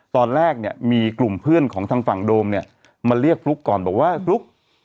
ตอนแรกเนี่ยมีกลุ่มเพื่อนของทางฝั่งโดมเนี่ยมาเรียกฟลุ๊กก่อนบอกว่าฟลุ๊ก